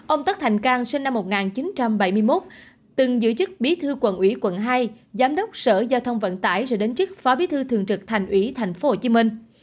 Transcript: ông tất thành cang sinh năm một nghìn chín trăm bảy mươi một từng giữ chức bí thư quận ủy quận hai giám đốc sở giao thông vận tải rồi đến chức phó bí thư thường trực thành ủy thành phố hồ chí minh